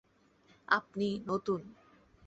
আপনি নতুন।